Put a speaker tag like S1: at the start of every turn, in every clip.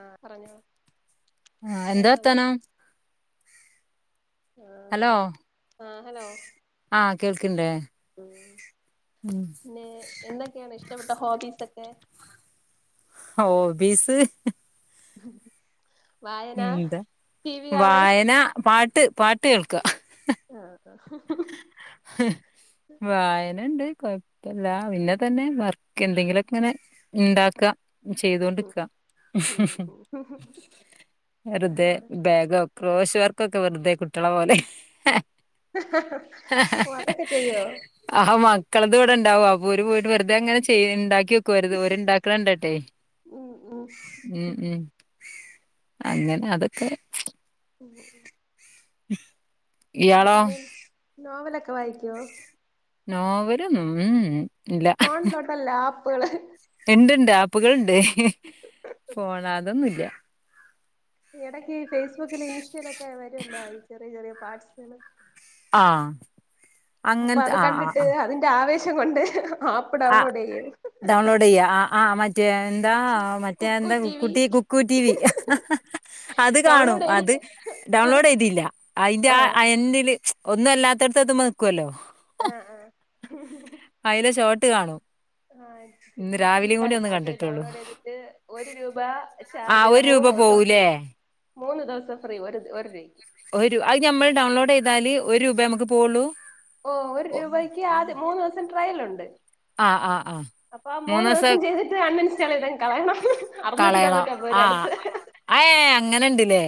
S1: ആഹ് പറഞ്ഞോ.
S2: ആഹ് എന്താ
S1: കേക്കാമോ
S2: വർത്താനം.
S1: ആഹ് ആഹ് ഹലോ
S2: ആഹ് കേൾക്ക്ണ്ടേ
S1: ഉം പിന്നെ എന്തെക്കേണ് ഇഷ്ടപ്പെട്ട ഹോബീസെക്കെ
S2: ഹോബീസ്
S1: ഉ
S2: ഇന്ത്
S1: വി കാണൽ
S2: വായന പാട്ട് പാട്ട് കേൾക്കാ
S1: ആഹ്
S2: അ വായനണ്ട് കൊഴപ്പല്ല പിന്നെതന്നെ വർക്ക് എന്തെങ്കിലാെക്കെങ്ങെനെ ഇണ്ടാക്കാ
S1: ഉം
S2: ചെയ്തൊണ്ട്ക്കാ
S1: ഉം ഉം
S2: വെർതെ ബാഗോ ക്രോശ വർക്കൊക്കെ വെർതെ കുട്ട്യളെ പോലെ
S1: ഹ
S2: ആ ആഹ് ആഹ് മക്കൾത്‌വ്ടെണ്ടാവും അപ്പം ഓല് പോയിട്ട് വെർതേങ്ങെനെ ചെയ്യ ഇണ്ടാക്ക്യോ ക്കോര്ത് ഓര് ഇണ്ടാക്ക്ണണ്ട്ട്ടെ
S1: ഉം ഉം
S2: ഉം ഉം അങ്ങെനെ അതൊക്കെ
S1: ഓഹ് ഓഹ്
S2: ഉ
S1: പിന്നെ നോവലൊക്കെ വായിക്ക്യോ
S2: നോവലൊന്നും ഉം ഉം
S1: ഫോൺലോട്ട ലാപ്പ്കള്
S2: ഇണ്ട്ണ്ട് ആപ്പ്കള്ണ്ട് ഫോണ അതൊന്നുംല്ല്യാ
S1: ഈ ഇടയ്ക്ക് ഈ ഫേസ്ബുക്കില് ഇൻസ്റ്റയിലൊക്കെ വരുമല്ലോ ഈ ചെറിയ ചെറിയ പാർട്സ്കള്
S2: ആഹ്
S1: അപ്പൊ
S2: അങ്ങൻത്തെ
S1: അത്
S2: ആഹ് ആഹ്
S1: കണ്ട്ട്ട്
S2: ആഹ്
S1: അതിന്റെ ആവേശം കൊണ്ട് ആപ്പ് ഡൗൺലോഡെയ്യും
S2: ഡൗൺലോഡെയ്യ ആഹ് ആഹ് മറ്റേ എന്താ മറ്റേ
S1: കുക്കു
S2: എന്താ
S1: ടി
S2: കുക്കുട്ടി കുക്കൂട്ടിവി
S1: വി
S2: അത് കാണും
S1: ഡൗൺലോഡ്
S2: അത്
S1: ചെയ്തിട്ട്
S2: ഡൗൺലോഡ് ചെയ്തില്ല അതിന്റെ ആ എന്റിില് ഒന്നും അല്ലാത്തടത്തത് എന്തുമ്പോ നിൽക്കുവല്ലോ?
S1: ആഹ് ആഹ്
S2: അയര ഷോർട്ട് കാണൂ
S1: ആഹ് ആഹ് ടി അത്
S2: കണ്ടിട്ടുള്ളൂ
S1: ഡൗൺലോഡ് ചെയ്തിട്ട് ഒരു രൂപ ചാർജ് ചെയ്ത മൂന്ന് ദിവസം
S2: പോല
S1: ഫ്രീ മൂന്ന് ദിവസം ഫ്രീ ഒരു ഒരൂവയ്ക്ക്-
S2: ഒരു അത് നമ്മൾ ഡൗൺലോഡ് ചെയ്താല് ഒരു രൂപ നമുക്ക് പോവുള്ളൂ
S1: ഓഹ് ഒരു രൂപയ്ക്ക് ആദ്യം മൂന്ന് ദിവസം ട്രയലൊണ്ട്
S2: ആഹ് ആഹ് ആഹ്
S1: അപ്പൊ മൂന്ന്
S2: മൂന്നൂസം
S1: ദിവസം ചെയ്തിട്ട് അൺ ഇൻസ്റ്റാള് ചെയ്തങ്ങ് കളയണം അറുന്നൂറ്റി തൊണൂറ്റാമ്പത് രൂപ അടുത്തെ
S2: അഹ്ഏ അങ്ങനെുണ്ടല്ലേ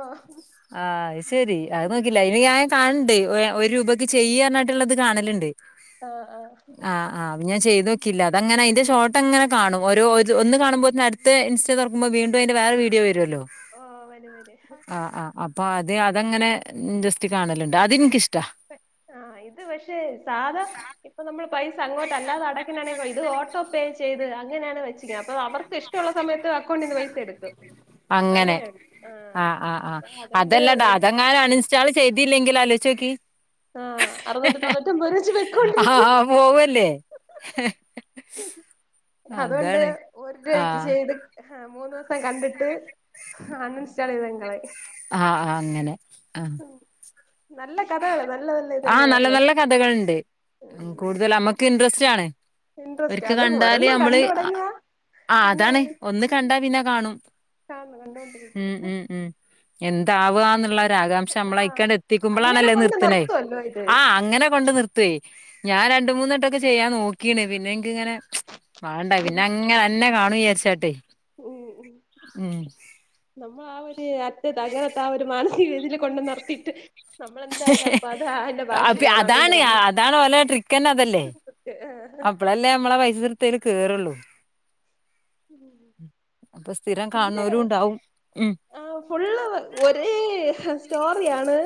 S1: ആഹ്
S2: ആഹ് അത് ശരി അത് നോക്കില്ല ഇനി ഞാൻ കാണ് ണ്ട് ഒരു രൂപക്ക് ചെയ്യാനായിട്ടുള്ളത് കാണലുണ്ട്
S1: ആഹ് ആഹ്
S2: ആഹ് അ ഞാൻ ചെയ്ത് നോക്കില്ല അത അങ്ങനെ അയിന്റെ ഷോട്ട്ങ്ങനെ കാണും ഓരൊ ഒന്ന് കാണുമ്പോൾ മ ഇൻസ്റ്റ തുറക്കുമ്പോ വീണ്ടും അതിന്റെ വേറെ വീഡിയോ വരുമല്ലോ
S1: ഓ വരും വരും
S2: ആഹ് ആഹ് അപ്പൊ അത് അതങ്ങനെ ജസ്റ്റ് കാണലുണ്ട് അതെനിക്കിഷ്ട
S1: ആഹ് ഇത് പക്ഷെ സാധാ ഇപ്പൊ നമ്മൾ പൈസ അങ്ങോട്ട് അല്ലാതെ അടക്കണാണെങ്ക ഇത് ഓട്ടോ പേ ചെയ്ത് അങ്ങനെയാണ് വെച്ചക്കുന്നത് അപ്പൊ അവർക്ക് ഇഷ്ടം ഒള്ള സമയത്ത് അക്കൗണ്ടീന്ന് പൈസ എടുക്കും
S2: അങ്ങനെ
S1: അങ്ങനെയാണ് ആ
S2: ആഹ് ആഹ് ആഹ്
S1: അപ്പൊ അതുകൊണ്ട്
S2: അതെല്ലടാ
S1: ഒരു
S2: അതെങ്ങാനംഅൺഇനിസ് റ്റാള് ചെയ്തില്ലെങ്കിൽ ആലോയിചോക്കിയേ-
S1: ആഹ് അറുനൂറ്റി തൊണ്ണൂറ്റൊമ്പത് രുപ വെച്ച്
S2: ആ
S1: പൊയ്ക്കൊണ്ടിരിക്കും.
S2: ആ, പോവല്ലേ
S1: അതുകൊണ്ട്
S2: അതാണ്
S1: ഒരു
S2: ആ
S1: രൂപക്ക് ചെയ്ത്. ആഹ് മൂന്ന് ദിവസം കണ്ടിട്ട് അൺ ഇൻസ്റ്റാൾ ചെയ്ത ങ്ങ് കളെയും.
S2: ആഹ് ആഹ് അങ്ങനെ ആ
S1: നല്ല കഥകള് നല്ല നല്ല ഇതല്ലേ
S2: ആഹ് നല്ല
S1: പറഞ്ഞെ
S2: നല്ല കഥകളുണ്ട്
S1: ഉം
S2: കൂടുതൽ ഞമ്മക്ക് ഇൻട്രസ്റ്റ് ആണ്.
S1: ഇൻട്രസ്റ്റ്
S2: ഒരിക്ക
S1: അത്
S2: കണ്ടാല്
S1: ഒരെണ്ണം
S2: നമ്മള്.
S1: കണ്ടു തുടങ്ങിയാ
S2: ആ
S1: പിന്നെ
S2: അതാണ് ഒന്ന് കണ്ടാ പിന്നെ കാണും
S1: കാണും കണ്ടോണ്ടിരിക്കും
S2: ഉം ഉം ഉം എന്താവന്നുള്ള ഒരു ആകാംക്ഷ
S1: ആ
S2: അമ്മളയിക്കാണ്ട് എത്തിക്കും
S1: അങ്ങനെ
S2: അമ്മളാണല്ലേ
S1: കൊണ്ട്
S2: നിർത്ത്നെ
S1: നിർത്തുവല്ലോ ഇത്
S2: ആഹ് അങ്ങനെ കൊണ്ട്. നിർത്തെയ് ഞാൻ രണ്ട് മൂന്നട്ടൊക്കെ ചെയ്യാൻ നോക്കീണ് പിന്നെ. ഇങ്ങനെ വാണ്ട പിന്നെ അങ്ങനെ അതന്നെ കാണും വിചാരിച്ചാട്ടെ.
S1: ഉം ഉ
S2: ഉം
S1: നമ്മൾ ആഹ് ഒരു അറ്റത്ത് അങ്ങനത്തെ ആ ഒരു മാനസിക വദയില് കൊണ്ട് നിർത്തിട്ട്.
S2: അപ്പി
S1: കാണാൻ വേണ്ടി
S2: അതാണ്
S1: നമ്മൾ
S2: അതാണ് ഓലെ ട്രിക്കന്നെ അതല്ലേ? അപ്പളല്ലേ നമ്മളാ പൈസ കൊട്ത്തയില് കേറുള്ളൂ. പ്പൊ സ്ഥിരം കാണുന്നവരുണ്ടാവും ഉ
S1: ആഹ് ഫുള്ള് ഒരേ സ്റ്റോറിയാണ്.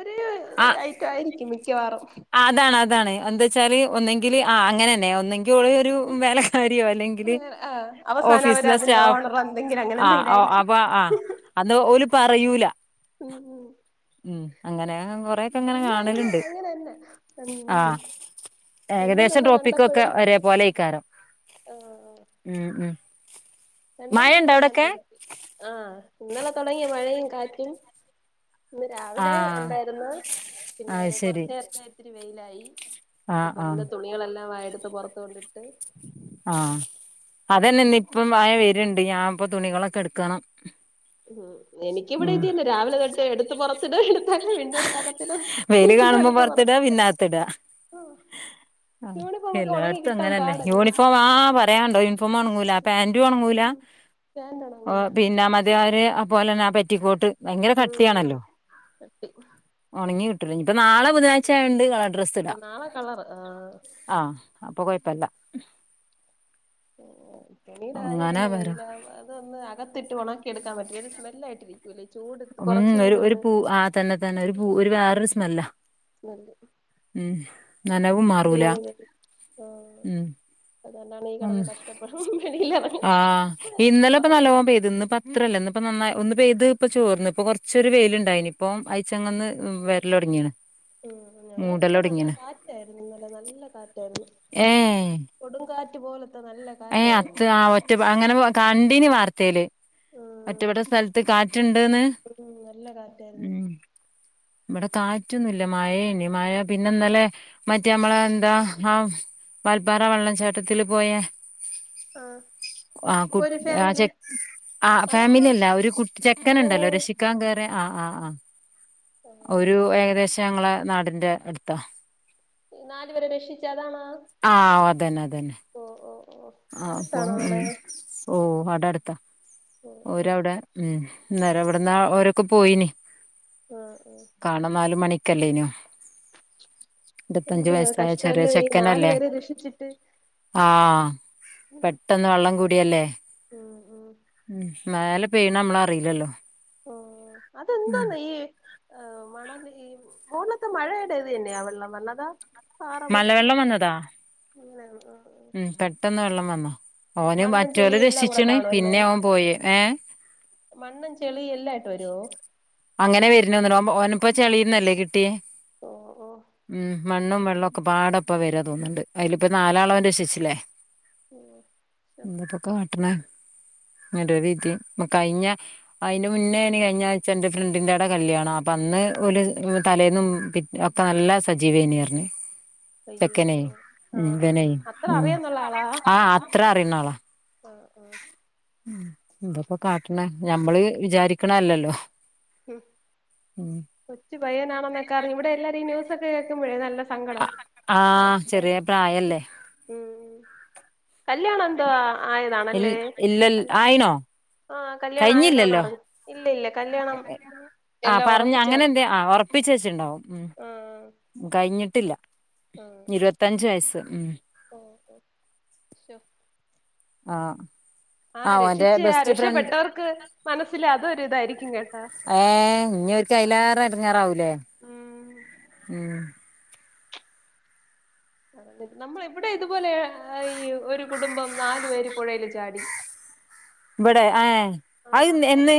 S1: ഒരു
S2: ആ
S1: ഐറ്റം ആയിരിക്കും മിക്കവാറും.
S2: അതാണ് അതാണ് എന്താ വച്ചാൽ ഒന്നെങ്കില് ആ അങ്ങനെ തന്നെയ ഒന്നെങ്കിൽ ഓള്. ഒരു വേലക്കാരിയോ അല്ലെങ്കിൽ
S1: ആ അവസാനം അവര്
S2: ഓഫീസിലെ
S1: അതിന്റെ
S2: സ്‌റ്റാഫോ
S1: ഓണർ എന്തെങ്കിലും അങ്ങനെ
S2: ആഹ്
S1: എന്തെങ്കിലും
S2: ആ
S1: ആയിരിക്കും
S2: അപ്പ ആഹ് അത് ഒല് പറയൂല.
S1: ഉം ഉം
S2: ഉം അങ്ങനെ കൊറേ ഒക്കെ അങ്ങനെ
S1: എല്ലാം
S2: കാണല്ണ്ട്
S1: അങ്ങനെ തന്നെ ഉം
S2: ആഹ്
S1: രണ്ടും
S2: ഏകദേശം
S1: തന്നെ
S2: ട്രോപ്പിക്കൊക്കെ
S1: കണ്ടപ്പോഴും
S2: ഒരേ പോലെആക്കാരും ഉം ഉം
S1: രണ്ട് മൂന്നെണ്ണം
S2: മഴണ്ടോ
S1: ഞാൻ കണ്ട്
S2: അവിടൊക്കെ
S1: നോക്കി ആഹ് ഇന്നല്ലെ തുടങ്ങിയ മഴയും കാറ്റും. ഇന്ന്
S2: ആ
S1: രാവിലെ ഉണ്ടായിര്ന്ന്. പിന്നെ
S2: അത് ശരി
S1: കൊറച്ച് നേരത്തെ ഇത്തിരി വെയിലായി.
S2: ആ
S1: അപ്പൊ
S2: ആ
S1: പിന്നെ തുണികളെല്ലാംവാഎടുത്ത് പൊറത്തോട്ടിട്ട്.
S2: ആഹ് അതന്നെ ന്ന് പ്പം മയ വര്ണ്ട്. ഞാ പ്പൊ തുണികളൊക്കെട്ക്കണം.
S1: ഉം എനിക്കിവിടെ ഇതി തന്നെ രാവിലെ തൊട്ടേ എടുത്ത് പൊറത്തിടും. എടുത്തക വീണ്ടും എടുത്തകത്തിടും. വീണ്ടും എടുത്ത് പുറത്ത്.
S2: ത്തിട.
S1: ആഹ്
S2: ആഹ്
S1: യൂണിഫോം ഒക്കെ ഉണങ്ങി
S2: എല്ലായിടത്തും
S1: കിട്ടാൻ
S2: അങ്ങനെന്നെ
S1: പാടല്ലേ
S2: യൂണിഫോം ആ പറയാണ്ടോ യൂണിഫോം ഒൺങ്ങൂല. പേന്റു ഒൺങ്ങൂല,
S1: ഉം പാന്റ്
S2: ഓ
S1: ഉണങ്ങൂല
S2: പിന്നെ [unintelligible] പോലെന്നെ ആ പെറ്റിക്കോട്ട്, ഭയങ്കര
S1: ഉം
S2: കട്ടിയാണല്ലോ ഒണങ്ങി കിട്ടുല. ന്നിപ്പ നാളെ ബുധാനായ്ചായോണ്ട് കളർ ഡ്രസ്സ് ഇടാ
S1: നാളെ കളറ് ആഹ്
S2: ആഹ് അപ്പൊ കൊഴപ്പല്ല.
S1: തുണിയുടെ കാര്യം
S2: ഒണങ്ങാനാ
S1: തന്നെ
S2: പരം
S1: വെയിലാവാ അതൊന്ന് അകത്തിട്ട് ഉണക്കി എടുക്കാൻ പറ്റില്ല, ഒരു സ്മെല്ലായിട്ടിരിക്കും. വല്യ ചൂട്.
S2: ഉം ഒരു
S1: കുറച്ചെങ്കിലും
S2: ഒരു
S1: ഒന്ന്
S2: പൂ ആ തന്നെ തന്നെ ഒരു പൂ ഒരു വേറൊരു സ്മെല്ലാ.
S1: സ്മെല്ല്
S2: ഉം നനവും
S1: ഇത്തിരി
S2: മാറൂല
S1: ഇങ്ങനെ ആഹ്
S2: ഉം
S1: അതുകൊണ്ടാണ് ഈ കടന്ന്
S2: ഉം
S1: കഷ്ടപ്പെടു വെയിലറ
S2: ആഹ് ഇന്നലെപ്പ നല്ലോം പെയ്ത്. ഇന്ന്പ്പ ത്രല്ല. ഇന്ന് ഇപ്പ നന്നായി ഒന്ന് പെയ്ത് പ്പ ചോർന്ന്. പ്പൊ കൊർച്ചൊരു വെയില്ണ്ടായിനി, ഇപ്പം അയ്ച്ചങ്ങന്ന് വെര്ലൊട്ങ്ങിണ്.
S1: ഉം ഞങ്ങൾക്കിവിടെ നല്ല കാറ്റായിരുന്നു ന്നലെ. നല്ല കാറ്റായിരുന്നു.
S2: ഏഹ്
S1: കൊടുങ്കാറ്റ് പോലത്തെ നല്ല.
S2: ഏയ്
S1: കാറ്റായിരുന്നു
S2: അത്ത ആ ഒറ്റ അങ്ങനെ കണ്ടീന് വാർത്തേല്.
S1: ഉം
S2: ഒറ്റപ്പെട്ട സ്ഥൽത്ത് കാറ്റ്ണ്ട്ന്ന്
S1: ഉം നല്ല കാറ്റായിരുന്നു
S2: ഉം ബടെ കാറ്റൊന്നുംല്ല മഴേനി മഴ പിന്നെന്നലെ മറ്റേ അമ്മള എന്താ ആഹ് വാൽപ്പാറ വള്ളം ചാട്ടത്തില് പോയേ
S1: ആഹ്
S2: ആഹ് കു
S1: ഒരു
S2: ആ
S1: ഫാമിലി
S2: ചെക് ആ ഫാമിലി
S1: അതാണോ
S2: അല്ല ഒരു കുട്ട് ചെക്കനിണ്ടല്ലോ
S1: ഓഹ്
S2: രക്ഷി ക്കാൻ കേറ്യേ. ആഹ് ആഹ് ആഹ്
S1: ആഹ്
S2: ഒരു ഏകദേശം ഞങ്ങളെ നാടിന്റെ അട്ത്താ
S1: നാല് പേരെ രക്ഷിച്ച അതാണാ
S2: ആഹ് അതന്നെ അതന്നെ
S1: ഓഹ് ഓഹ് ഓഹ്
S2: ആഹ് അപ്പൊ
S1: അടുത്താണോ
S2: ഉം
S1: അവടെ
S2: ഓഹ് അടടുത്താ
S1: ഓഹ് ഓഹ്
S2: ഓരവിടെ ഉം ന്നേര ഇവിടന്നാ ഓരൊക്കെ പോയിനി
S1: ആഹ് ആഹ്
S2: കാരണം നാല് മണിക്കല്ലേനോ ഇരത്തഞ്ചു
S1: എന്ത്
S2: വയസായ ചെറിയ
S1: കഷ്ടല്ലേ ഈ നാലു
S2: ചെക്കനല്ലേ
S1: പേരെ രക്ഷിച്ചിട്ട്
S2: ആഹ് പെട്ടന്ന് വെള്ളം കൂടിയല്ലേ
S1: ഉം ഉം
S2: ഉം മേലെ പെയ്യണമ്മളറീലല്ലോ
S1: ഉം അതെന്തോന്ന ഈ ആഹ് മണൽ ഈ മോളിത്തെ മഴയുടെ ഇത് തന്നെയാ വെള്ളം വന്നതാ പാറ പൊട്ടി
S2: മലവെള്ളം
S1: അങ്ങനാന്നൊ ആഹ്
S2: പെട്ടൊന്ന് വെള്ളം വന്നാ, ഓന്
S1: മണ്ണും
S2: മറ്റോ ലെ
S1: ചെളിയും എല്ലാം കൂടെ
S2: രക്ഷിച്ച്ണ്
S1: കാണും അല്ലേ
S2: പിന്നെ ഓൻ പോയേ ഏഹ്
S1: മണ്ണും ചെളിയും എല്ലായിട്ട് വരുവോ
S2: അങ്ങനെ വര്നോന്നുണു. ഓൻ ഓനപ്പോ ചളീന്നല്ലേ കിട്ടിയേ
S1: ഓഹ് ഹോ
S2: ഉം മണ്ണും വെള്ളൊക്കൊപ്പാടപ്പാ വരാ തോന്നുണ്ട്. അയിലിപ്പ നാലാളോൻ രക്ഷിച്ചിലേ
S1: ഉം
S2: ന്നട്ട് കാട്ട്ണെ നല്ലൊരു തി കഴിഞ്ഞ അയിന്റെ മുന്നേന് കഴിഞ്ഞ ആഴ്ച എന്റെ ഫ്രണ്ടിന്റെവടെ കല്യാണാ അപ്പൊ അന്ന് ഒരു തലേന്നും പി ഒക്കെ നല്ല സജീവേയ്നി റഞ്ഞ്
S1: അയ്യോ
S2: ചെക്കനേ
S1: ഓ
S2: ഉം
S1: ആഹ് ആഹ്
S2: വനെ
S1: അത്ര
S2: ഉം
S1: അറിയാന്നുള്ള ആളാ
S2: ആഹ് അത്ര അറിയ്ണാളാ
S1: ആഹ് ആഹ്
S2: ഉം എന്തപ്പോ കാട്ടണ ഞമ്മള് വിചാരിക്കണല്ലല്ലോ
S1: ഉം
S2: ഉം
S1: കൊച്ചു പയ്യനാണെന്നൊക്കെ പറഞ് ഇവിടെ എല്ലാരും ന്യൂസൊക്കെ കേൾക്കുമ്പോഴേ നല്ല സങ്കടം
S2: ആ
S1: അതൊക്കെ
S2: ചെറിയ പ്രായല്ലേ
S1: ഉം കല്യാണം എന്തോ
S2: ഇ
S1: ആയതാണല്ലേ
S2: ഇല്ല
S1: കൽ
S2: ആയിനോ
S1: ആഹ് കല്യാണം ആയെന്നാണ്
S2: കഴിഞ്ഞില്ലല്ലോ
S1: അറിഞ് ഇല്ല ഇല്ല കല്യാണം
S2: ആഹ്
S1: എല്ലാം
S2: പറഞ്ഞ് അങ്ങനെ
S1: ഉറപ്പിച്ചാണ്
S2: എന്തേ ആഹ് ഉറപ്പിച്ചേച്ചിണ്ടാവും ഉം
S1: ആ
S2: കഴിഞ്ഞിട്ടില്ല
S1: ആ
S2: ഇരുപത്തഞ്ച് വയസ് ഉം
S1: ഓ ഓ ശോ
S2: ആഹ്
S1: ആഹ് രക്ഷിച്ചേ ആ രക്ഷപ്പെട്ടവർക്ക് മനസ്സിൽ അതൊരു ഇതായിരിക്കും കേട്ടാ
S2: ഏയ് ഇനി ഓര്ക്കയിലേറ എടങ്ങാറാവൂലേ
S1: ഉം
S2: ഉം
S1: നമ്മള ഇവിടെ ഇതുപോലെ ഈ ഒരു കുടുംബം നാലു പേര് പുഴയിൽ ചാടി
S2: ഇവിടെ ഏഹ് അഅ് എന്ന്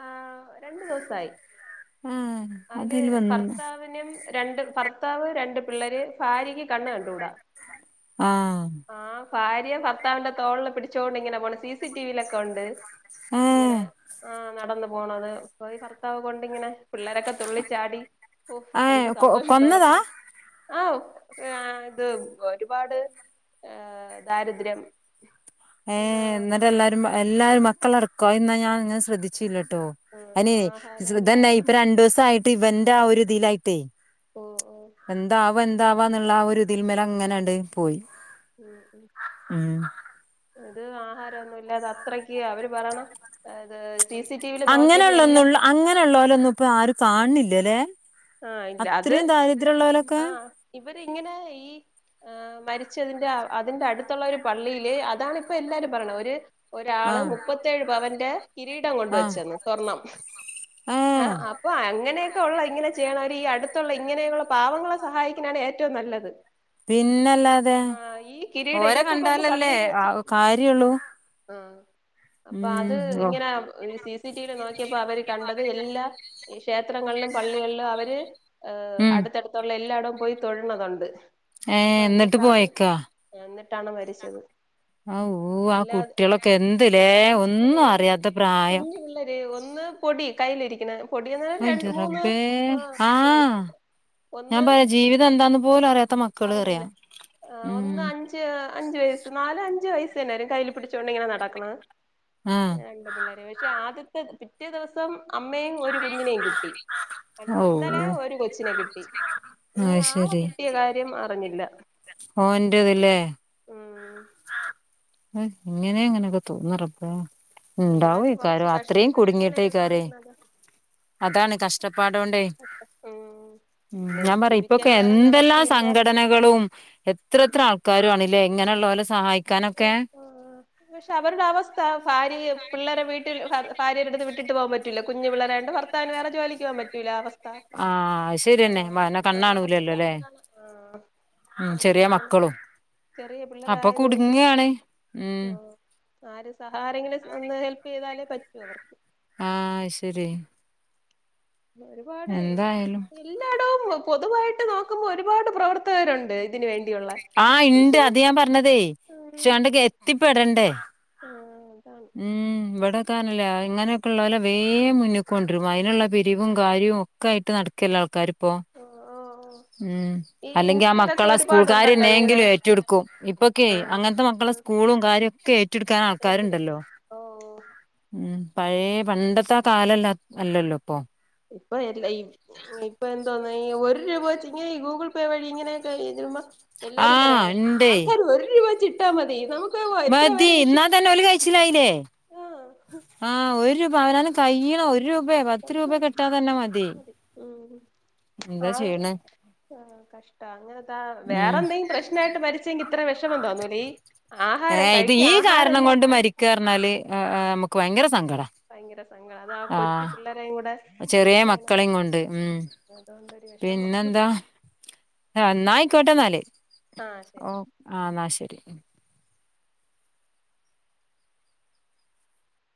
S1: ആഹ് രണ്ടു ദിവസായി
S2: ആ
S1: അയില്
S2: അതില് വന്ന്
S1: ഭർത്താവിനും രണ്ട് ഭർത്താവ് രണ്ട് പിള്ളേര് ഭാര്യക്ക് കണ്ണ് കണ്ടൂടാ
S2: ആഹ്
S1: ആ ഭാര്യ ഭർത്താവി്ന്റെ തോളില് പിടിച്ചോണ്ട് ഇങ്ങനെ പോണ് സിസി ടി വിയിലൊക്കെ ഉണ്ട്
S2: ഏ
S1: ഇങ്ങനെ ആ നടന്നു പോണത് പോ ഈ ഭർത്താവ് കൊണ്ടിങ്ങനെ പിള്ളേരൊക്കെ തുള്ളിച്ചാടി ഓ്
S2: ഏ
S1: എന്ത്
S2: കൊ
S1: സന്തോഷത്തോടെ
S2: കൊന്നതാ
S1: പോണം അ എ ഇത് ഒരുപാട് ആഏ ദാരിദ്ര്യം എന്തോ
S2: ഏഹ എന്നിട്ട് എല്ലാരും എല്ലാരും മക്കളടക്കോ എന്നാ ഞാ ഇങ്ങനൻ ശ്രദ്ധിച്ചില്ലട്ടോ
S1: ആഹ്
S2: അയിന്
S1: ആഹാരം
S2: ഇതന്നെ
S1: ഇല്ലാതെ
S2: ഇപ്പ രണ്ടു ദിവസയിട്ട് ഇവന്റ് ആ ഒരു ഇതിലായിട്ടേ
S1: ഓഹ് ഓഹ്
S2: എന്താവാ എന്താവാ ന്നുള്ള ആ ഒരു ഇതിൽമെല അങ്ങനെയാണ്ട് പോയി
S1: ഉം ഉ
S2: ഉം
S1: ഇത് ആഹാരംന്നും ഇല്ലാത അത്രക്ക് അവര് പറയണംത്
S2: അങ്ങനെയുള്ളള്ള ന്നുള്ള അങ്ങനെയുള്ളല്ലൊന്നും ഇപ്പോ ആരും കാണണില്ല അല്ലെ അത്രയും ദാരിദ്ര്യം ഉള്ളോൽ
S1: ആ ഇവർ ഇങ്ങനെ ഈ ഏ മരിച്ചതിന്റെ അതിന്റെ അടുത്തുള്ള ഒരു പള്ളിയില് അതണ ഇപ്പൊ എല്ലാരും പറയണം ഒരു ഒരാള്
S2: ആഹ്
S1: മുപ്പത്തേഴ് പവന്റെ കിരീടം കൊണ്ട
S2: ആഹ്
S1: വച്ചന്ന് സ്വർണം ആ
S2: ഏഹ്
S1: അ ഓ അങ്ങനെയൊക്കെ ഉള്ള ഇങ്ങനെ ചെയ്യണം അവര് ഈ അടുത്തുള്ള ഇങ്ങനെയുള്ള പാവങ്ങളെ സഹായിക്കാനാണ് ഏറ്റവും നല്ലത്
S2: പിന്നല്ലാതെ
S1: ആ ഈ കിരീടം
S2: ഓരെ
S1: ഇതൊക്കെ കൊണ്ട്
S2: കണ്ടാലല്ലേ
S1: പള്ളിൽ
S2: ആ
S1: വെച്ചിട്ട്
S2: കാര്യള്ളൂ
S1: ആഹ അപ്പൊ അത്
S2: ഉം ഓ
S1: ഇങ്ങനെ സി സ് സി സി ടി വിയിൽ നോക്കിയപ്പോ അവര് കണ്ടത് എല്ലാ ക്ഷേത്രങ്ങളിലും പള്ളികളിലും അവര്
S2: ഉം
S1: അടുത്തടുത്തുള്ള എല്ലായിടവും പോയി തൊഴണതുണ്ട്
S2: ഏ എന്നിട്ട് പോയേക്കാ
S1: എന്നിട്ടാണ് മരിച്ചത്
S2: ആ ഓ ആ
S1: എല്ലാ
S2: കുട്ടികളൊക്കെ എന്തല്ലെ
S1: അതിൽ ഇങ്ങനെ
S2: ഒന്നും
S1: എഴുതി
S2: അറിയാത്ത പ്രായം
S1: കുഞ്ഞു ഒന്ന് പൊടി കയ്യിലിരിക്കണ പൊടി ര
S2: അയിന്റെ
S1: മൂന്ന്
S2: റബ്ബേ
S1: ആ മൂന്ന്
S2: ആഹ്
S1: വയസ്സൊക്കെ
S2: ഞാൻ പറയാ ജീവിതം എന്താന്ന് പോലും അറിയാത്ത മക്കള് അറിയാം
S1: അറിഞ്ഞില്ലേ ആഹ്
S2: ഉം
S1: ഒന്ന് അഞ്ച് അഞ്ച് വയസ്സ് നാല് അഞ്ച് വയസ്സ് തന്നെയരും കയ്യിൽ പിടിച്ചോൊണ്ട ഇങ്ങനെ നടക്കുണത്
S2: ആഹ്
S1: രണ്ട് പിള്ളേരെ പക്ഷെ ആദ്യത്തെ- പിറ്റേ ദെവസം അമ്മേയും ഒരു കുഞ്ഞിനേം കിട്ടി അടുത്ത്
S2: ഓ
S1: ഇന്നലെ ഒരു കൊച്ചിനെ കിട്ടി ഇനി
S2: അത്
S1: ആളെ
S2: ശരി
S1: കിട്ടിയ കാര്യം അറിഞ്ഞില്ല
S2: ഓന്റെത് ഇല്ലേ
S1: ഉം
S2: ഇങ്ങനെ എങ്ങനെയൊക്ക തോന്ന്ന് റബ്ബേ
S1: എന്നാലും കൊറച്ച്
S2: ഉണ്ടാവോയ്ക്കാരം
S1: കഷ്ട്ടം
S2: അത്രയും
S1: ഇതൊക്കെ എങ്ങനെയൊക്കെ
S2: കുടുങ്ങിയിട്ടേക്കാരെ
S1: കാണിക്കണത്
S2: അതാണ് കഷ്ടപ്പാടോണ്ടേ
S1: ഉം
S2: ഞാൻ പറയും ഇപ്പൊക്കെ
S1: ജീവിക്കാൻ വേറെ
S2: എന്തെല്ലാം
S1: നിവർത്തിയില്ല
S2: സങ്കട- സംഘടനകളും എത്രയെത്ര
S1: ഉം
S2: ആൾക്കാരും ആണുയില്ലേ ഇങ്ങനെയുള്ളവരെ സഹായിക്കാനൊ-
S1: പക്ഷെ അവരുടെ അവസ്ഥ ഭാര്യയെ പിള്ളേരെ വീട്ടിൽ ഭാര്യരുടെ അടുത്ത് വിട്ടിട്ട് പോകാൻ പറ്റൂല്ല കുഞ്ഞ് പിള്ളേര് ആയോണ്ട് ഭർ- ഭർത്താവിന് വേറെ ജോലിക്ക്പൊവാൻ പറ്റൂല അവ- ത
S2: ആഹ് അത്
S1: ആ
S2: ശരിയന്നെ മന
S1: ആ ക
S2: കണ്ണാണൂലല്ലോ
S1: കാ
S2: ല്ലേ
S1: ആ [unintelligible]
S2: ചെറിയ മക്കളും അപ്പൊ കുടുങ്ങയാണ്
S1: ഓഹ് ആര് സഹാരങ്ങ ആരെങ്കിലും ഒന്ന് ഹെൽപ്പ് ചെയ്താലേ പറ്റൂ അവർക്
S2: ആഹ് ശരി
S1: ഒരുപാട്
S2: എന്തായാലും
S1: എല്ലാടോം പൊതുവായിട്ട് നോക്കുമ്പോ ഒരുപാട് പ്രവർത്തകരുണ്ട് ന് വേണ്ടിയുള്ള-
S2: ആഹ് ഇണ്ട്
S1: പക്ഷെ
S2: അത് ഞാൻ പറഞ്ഞതേ
S1: ഉം
S2: ശാ അങ്ങട്ട് [unintelligible] എത്തിപ്പടണ്ടേ
S1: ആഹ് അതാണ്
S2: ഉം ഇവിടെക്കാനല്ലേ ഇങ്ങനെയൊക്കെ ഉള്ളുലെ വേഗം മുന്നിക്കൊണ്ടിരും അതിനുള്ള പിരിവും കാര്യവും- ഒക്ക ആയിട്ട് നടക്കുകല്ല ആൾക്കാരും
S1: ഓ [unintelligible]
S2: മ് [unintelligible] അല്ലെങ്കി ആ മക്കളെ സ്കൂൾകാര്
S1: ഒരുപാടുണ്ടല്ലോ ഇങ്ങനെ
S2: എങ്ങനെയെങ്കിലും ഏറ്റെടുക്കും ഇപ്പൊക്കെ
S1: ആഹ്
S2: അങ്ങനത്തെ മക്കളെ സ്കൂളും കാര്യ ക്കെ [unintelligible]
S1: ഏറ്റെടുത്ത് ഓഹ്
S2: ഉം പഴയെ പണ്ടത്തെ ആ കാലം അല്ലല്ലോ ഇപ്പൊ
S1: ഇപ്പൊ എല്ലാം ഈ ഇപ്പൊ എന്തോന്ന ഈ ഒരു രൂപ വെച്ച് ഇങ്ങനെ ഈ ഗൂഗിൾ പേ വഴി ഇങ്ങനെയൊക്കെ രുപ എല്ലാരും
S2: ആഹ്
S1: പറയും
S2: ഇണ്ടേ
S1: ആൾക്കാര് ഒരു രൂപ വെച്ച് ഇട്ടാമതി നമുക്ക്- എത്ര
S2: മതി
S1: പേരെ
S2: ഇന്നാള്
S1: രക്ഷിക്കാം
S2: തന്നെ ഓല് കഴിച്ചില്ലായില്ലേ
S1: ആഹ്
S2: ആഹ് ഒരു രൂപ അവനാന് കഴിയണ ഒരു- രൂപയോ പത്ത് രൂപയൊക്കെ ഇട്ടാ തന്നെ മതി
S1: മ് [unintelligible]
S2: എന്താ ചെയ്യ്ണേ
S1: ആ കഷ്ട്ടം അങ്ങനെതാ വേറെ
S2: ഉം
S1: എന്തെങ്കിലും പ്രശ്നയായിട്ട് മരിച്ചെങ്കിൽ ഇത്ര വിഷമം തോന്നൂലെ ആഹാരം കഴിക്ക ആഹാരല്ല
S2: ക്കറഞ്ഞാ [unintelligible] ല് നമുക്ക് ഭയങ്കര സങ്കട
S1: ഭയങ്കര സങ്കടയാ അതാ കൊച്ചു പിള്ളേരേ കൂടെ
S2: ചെറിയ മക്കളെയും കൊണ്ട് ഉം
S1: അതുകൊണ്ട് ഒരു വിഷമം
S2: പിന്നെന്താ എന്നായിക്കോട്ടെ എന്നാലേ
S1: ആഹ് ശരി
S2: ഓഹ് ആ എന്നാ ശരി.